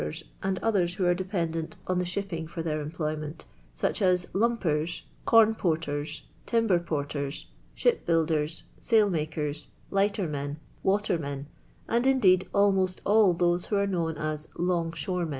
} and others who arc dependent on the shipping fi»r their craployniiMit; &uch as lump ers, corn porters, timber porters, ship builders, sail nijikers, li'^htennen, watermen, and, indeed, almost all those who arc known as "loni^ shoremm.